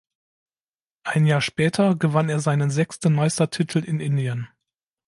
Ein Jahr später gewann er seinen sechsten Meistertitel in Indien.